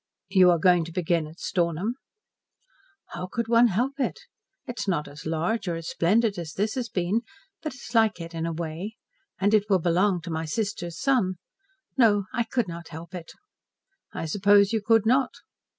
"You are going to begin at Stornham?" "How could one help it? It is not as large or as splendid as this has been, but it is like it in a way. And it will belong to my sister's son. No, I could not help it." "I suppose you could not."